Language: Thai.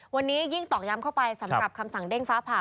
วันนี้ยิ่งตอกย้ำเข้าไปสำหรับคำสั่งเด้งฟ้าผ่า